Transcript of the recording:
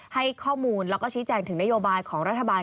ให้ข้อมูลแล้วก็ชี้แจงถึงนโยบายของรัฐบาล